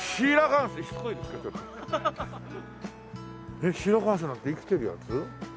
えっシーラカンスなんて生きてるやつ？